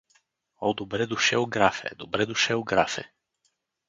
— О, добре дошел, графе, добре дошел, графе!